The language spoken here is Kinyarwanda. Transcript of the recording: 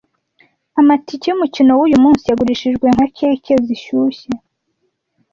Amatike yumukino wuyu munsi yagurishijwe nka keke zishyushye.